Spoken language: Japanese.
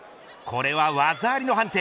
これは、技ありの判定。